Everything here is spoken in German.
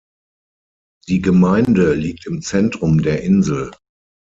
Die Gemeinde liegt im Zentrum der Insel.